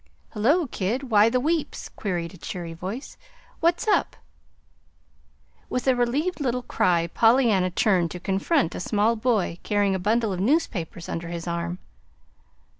"Hullo, kid, why the weeps?" queried a cheery voice. "What's up?" With a relieved little cry Pollyanna turned to confront a small boy carrying a bundle of newspapers under his arm.